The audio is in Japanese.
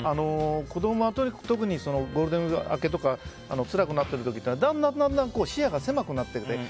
子供は特にゴールデンウィーク明けとかつらくなっている時っていうのは段々視野が狭くなってきている。